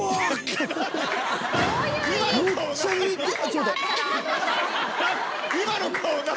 今の顔何？